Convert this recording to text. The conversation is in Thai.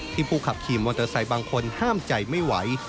ผู้ขับขี่มอเตอร์ไซค์บางคนห้ามใจไม่ไหว